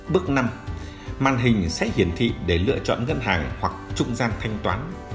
bước năm màn hình sẽ hiển thị để lựa chọn ngân hàng hoặc trung gian thanh toán